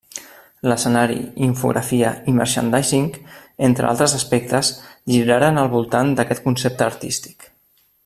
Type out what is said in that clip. L'escenari, infografia i merchandising, entre altres aspectes, giraren al voltant d'aquest concepte artístic.